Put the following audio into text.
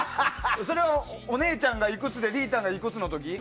それは、お姉ちゃんがいくつでりーたんがいくつの時？